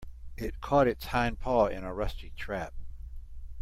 It caught its hind paw in a rusty trap.